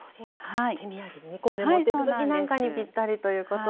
じゃあ手土産に持っていく時なんかにピッタリということですね。